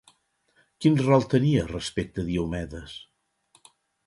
Quin rol tenia respecte a Diomedes?